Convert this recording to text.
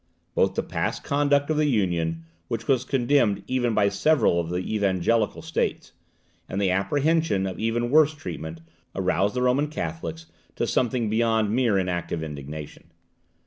Both the past conduct of the Union, which was condemned even by several of the evangelical states, and the apprehension of even worse treatment, aroused the Roman Catholics to something beyond mere inactive indignation.